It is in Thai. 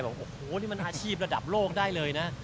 โอ้โหนี่มันอาชีพระดับโลกได้เลยนะ